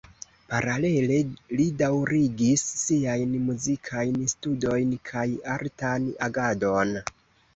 Paralele, li daŭrigis siajn muzikajn studojn kaj artan agadon.